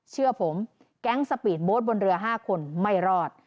เชื่อผมแก๊งสปีดโบ๊ทบนเรือ๕คนไม่รอด